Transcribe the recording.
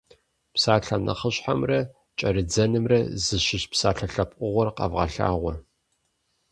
Псалъэ нэхъыщхьэмрэ кӏэрыдзэнымрэ зыщыщ псалъэ лъэпкъыгъуэр къэвгъэлъагъуэ.